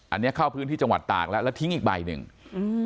อันนี้เข้าพื้นที่จังหวัดตากแล้วแล้วทิ้งอีกใบหนึ่งอืม